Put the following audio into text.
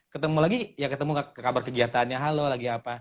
ketemu lagi ya ketemu ke kabar kegiatannya halo lagi apa